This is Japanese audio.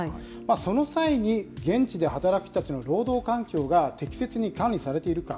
その際に、現地で働く人たちの労働環境が適切に管理されているか。